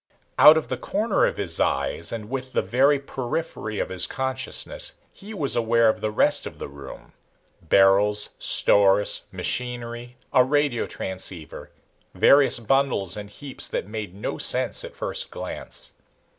Out of the corner of his eyes, and with the very periphery of his consciousness, he was aware of the rest of the room barrels, stores, machinery, a radio transceiver, various bundles and heaps that made no sense at first glance.